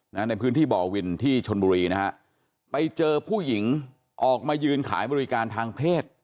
ในพื้นที่บ่อวินที่ชนบุรีนะฮะไปเจอผู้หญิงออกมายืนขายบริการทางเพศ